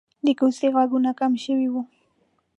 د کوڅې غږونه کم شوي وو.